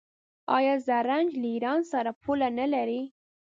آیا زرنج له ایران سره پوله نلري؟